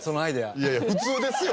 いやいや普通ですよ。